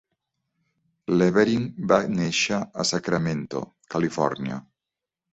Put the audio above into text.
Levering va néixer a Sacramento (Califòrnia).